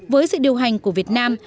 với sự điều hành của việt nam